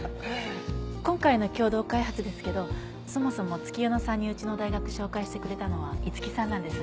今回の共同開発ですけどそもそも月夜野さんにうちの大学紹介してくれたのは五木さんなんです。